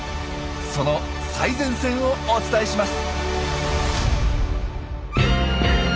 その最前線をお伝えします！